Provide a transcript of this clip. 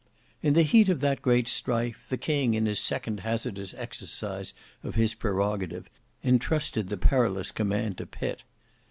In the heat of that great strife, the king in the second hazardous exercise of his prerogative entrusted the perilous command to Pitt.